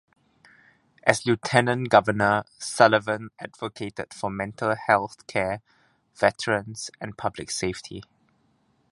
As lieutenant governor, Sullivan advocated for mental health care, veterans and public safety.